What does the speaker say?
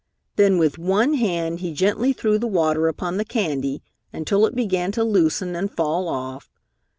Then with one hand he gently threw the water upon the candy until it began to loosen and fall off.